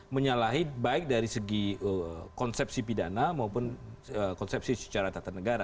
menyalahi baik dari segi konsepsi pidana maupun konsepsi secara tata negara